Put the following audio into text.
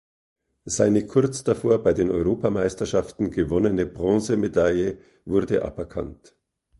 Seine kurz davor bei den Europameisterschaften gewonnene Bronzemedaille wurde aberkannt.